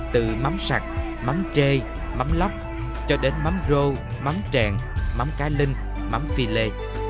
từ mắm sặc mắm trê mắm lóc cho đến mắm rô mắm trẹn mắm cá linh mắm philê